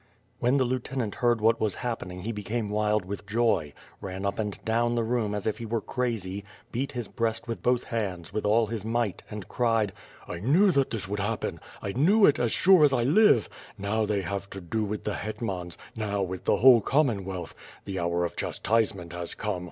When the lieutenant heard what was happening he became wild with joy, ran up and down the room as if he were crazy, beat his breast with both hands, with all his might, and cried: "I knew that this would happen: I knew it, as sure as I live! Now they have to do with the hetmans, now with the whole Commonwealth. The hour of chastisement has come!